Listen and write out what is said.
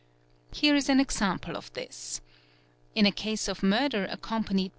Here is an example of this: in a case of murder accompanied.